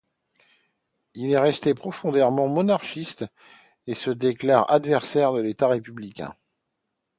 Il est resté profondément monarchiste et se déclare adversaire de l'État républicain.